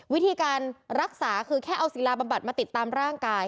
วิธีการรักษาคือแค่เอาศิลาบำบัดมาติดตามร่างกาย